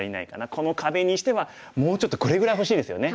この壁にしてはもうちょっとこれぐらい欲しいですよね。